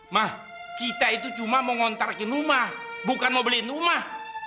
mah kita itu cuma mau ngontrakin rumah bukan mau beliin rumah